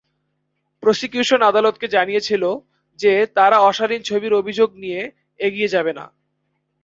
Prosecution আদালতকে জানিয়েছিল যে তারা অশালীন ছবির অভিযোগ নিয়ে এগিয়ে যাবে না।